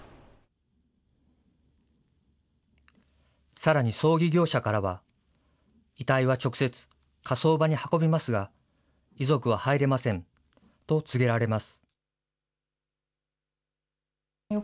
さらに葬儀業者からは、遺体は直接、火葬場に運びますが、遺族は入れませんと告げられます。